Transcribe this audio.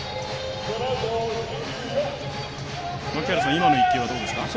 今の一球はどうですか？